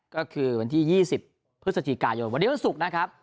ก็คือวันที่๒๐พฤศจิกายนวันนี้วันศุกร์นะครับ